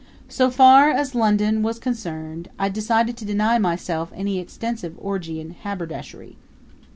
So far as London was concerned, I decided to deny myself any extensive orgy in haberdashery.